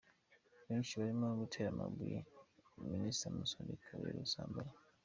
Benshi barimo "gutera amabuye" Minister Musoni kubera ubusambanyi.